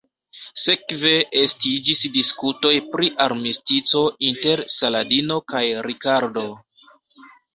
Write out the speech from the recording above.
Sekve estiĝis diskutoj pri armistico inter Saladino kaj Rikardo.